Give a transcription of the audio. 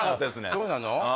そうなの？